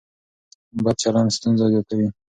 بد چلن ستونزه زیاتوي.